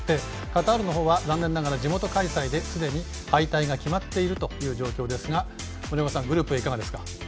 カタールのほうは残念ながら地元開催ですでに敗退が決まっているという状況ですが森岡さん、グループＡいかがですか？